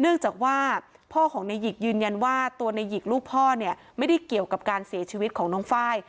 เนื่องจากว่าพ่อของนายหยิกยืนยันว่าตัวในหยิกลูกพ่อเนี่ยไม่ได้เกี่ยวกับการเสียชีวิตของน้องไฟล์